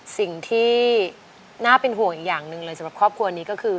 สิ่งที่น่าเป็นห่วงอีกอย่างหนึ่งเลยสำหรับครอบครัวนี้ก็คือ